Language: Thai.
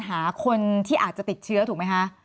หาคนที่อาจจะติดเชื้อถูกไหมคะ